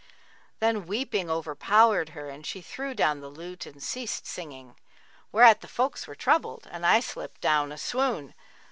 Then weeping overpowered her and she threw down the elute and ceased singing; whereat the folks were troubled and I slipped down a swoon.